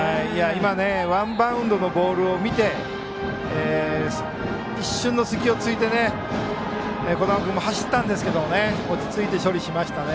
今、ワンバウンドのボールを見て一瞬の隙を突いて児玉君も走ったんですけど落ち着いて処理しましたね。